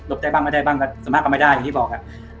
หลบได้บ้างไม่ได้บ้างแต่ส่วนมากก็ไม่ได้อย่างที่บอก